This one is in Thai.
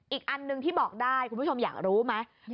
อีกอันหนึ่งที่บอกได้คุณผู้ชมอยากรู้ไหม